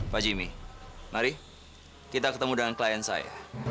pak jimmy mari kita ketemu dengan klien saya